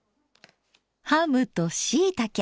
ハムとしいたけ。